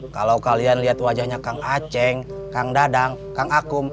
kalau kalian lihat wajahnya kang aceng kang dadang kang akum